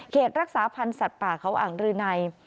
รักษาพันธ์สัตว์ป่าเขาอ่างรืนัย